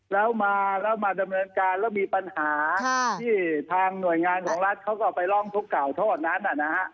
แล้วมาแล้วมาดำเนินการแล้วมีปัญหาที่ทางหน่วยงานของรัฐเขาก็ไปร้องทุกข์กล่าวโทษนั้น